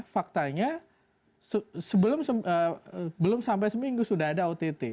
faktanya belum sampai seminggu sudah ada ott